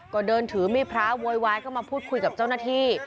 ก็เดินถือมีดพระโวยวายเข้ามาพูดคุยกับเจ้าหน้าที่